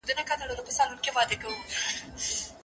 د نریو اوبو مخ په بېل بندېږي